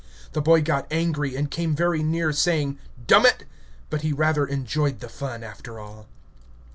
The boy got angry, and came very near saying "dum it," but he rather enjoyed the fun, after all.